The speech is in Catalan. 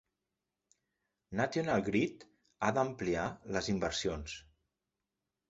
"National Grid ha d'ampliar les inversions".